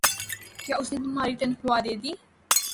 ۔کیا اس نے تمہار تنخواہ دیدی؟